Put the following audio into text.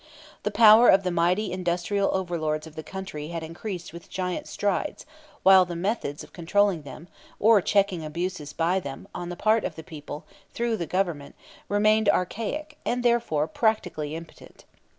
The power of the mighty industrial overlords of the country had increased with giant strides, while the methods of controlling them, or checking abuses by them, on the part of the people, through the Government, remained archaic and therefore practically impotent.